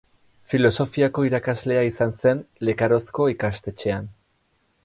Filosofiako irakaslea izan zen Lekarozko ikastetxean.